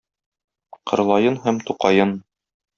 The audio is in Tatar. Кырлаен һәм Тукаен.